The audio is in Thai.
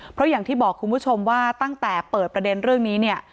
เพราะอย่างที่บอกคุณผู้ชมว่าตั้งแต่เปิดประเด็นเรื่องนี้เนี่ย